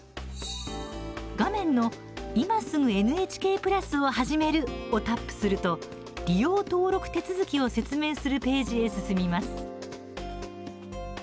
画面の「今すぐＮＨＫプラスを始める」をタップすると利用登録手続きを説明するページへ進みます。